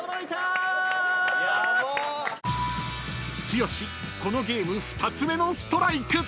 ［剛このゲーム２つ目のストライク！］